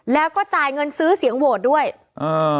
แล้วก็จ่ายเงินซื้อเสียงโหวตด้วยอ่า